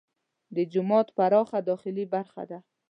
دې جومات پراخه داخلي برخه ده.